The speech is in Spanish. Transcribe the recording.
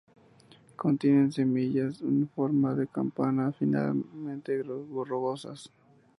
Contienen semillas en forma de campana finamente rugosas.